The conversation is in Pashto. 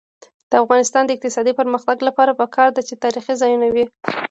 د افغانستان د اقتصادي پرمختګ لپاره پکار ده چې تاریخي ځایونه وي.